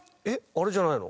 あれじゃないの？